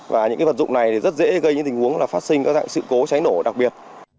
và những vật dụng này rất dễ gây những tình huống là phát sinh các dạng sự cố cháy nổ đặc biệt